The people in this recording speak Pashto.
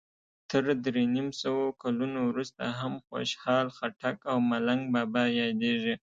تر درې نیم سوو کلونو وروسته هم خوشال خټک او ملنګ بابا یادیږي.